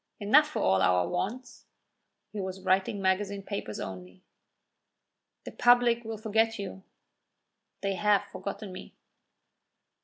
"Enough for all our wants." (He was writing magazine papers only.) "The public will forget you." "They have forgotten me."